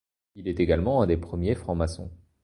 Il est également un des premiers francs-maçons.